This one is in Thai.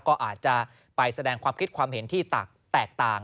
ก็อาจจะไปแสดงความคิดความเห็นที่แตกต่าง